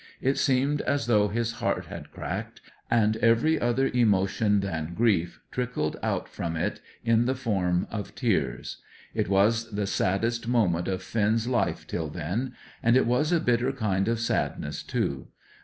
It seemed as though his heart had cracked, and every other emotion than grief trickled out from it in the form of tears. It was the saddest moment of Finn's life till then; and it was a bitter kind of sadness, too.